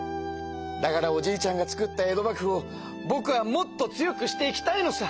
だからおじいちゃんがつくった江戸幕府をぼくはもっと強くしていきたいのさ！